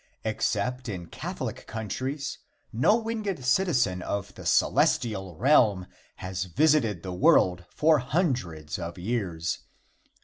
Except in Catholic countries, no winged citizen of the celestial realm has visited the world for hundreds of years.